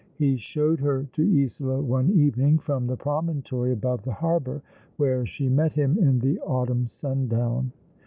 He showed her to Isola one evening from the promontory above the harbour, where she met him in the autumn sundown.